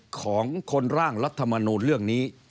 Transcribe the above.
ฉะนั้นหลักคิดของคนร่างรัฐมนูนเรื่องนี้